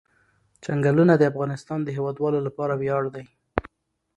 چنګلونه د افغانستان د هیوادوالو لپاره ویاړ دی.